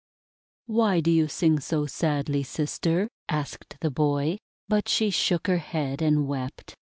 "Why do you sing so sadly, sister?" asked the boy. But she shook her head and wept.